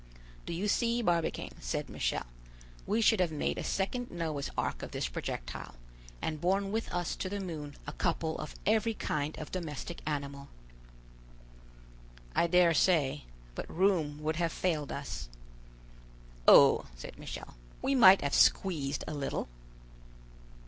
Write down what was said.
"Do you see, Barbicane," said Michel, "we should have made a second Noah's ark of this projectile, and borne with us to the moon a couple of every kind of domestic animal." "I dare say; but room would have failed us." "Oh!" said Michel, "we might have squeezed a little."